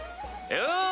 よう！